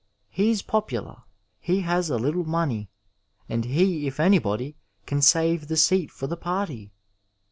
He is popular; he has a little money ; and he if anybody, can save the seat for the party